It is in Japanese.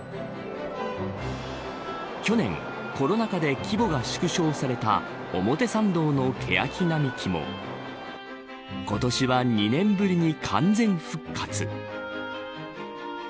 去年、コロナ禍で規模が縮小された表参道のケヤキ並木も今年は２年ぶりに完全復活。